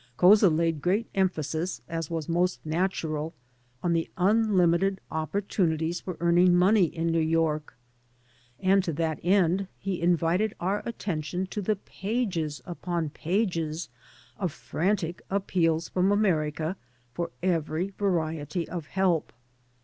Couza laid great emphasis, as was most natural, on the unlimited opportunities for earning money in New York, and to that end he invited our attention to the pages upon pages of frantic appeals from America for every variety of help.